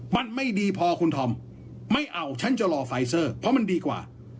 มันไม่ดีพอคุณธอมไม่เอาฉันจะรอไฟเซอร์เพราะมันดีกว่า